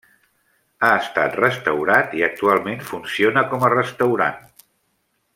Ha estat restaurat i actualment funciona com a restaurant.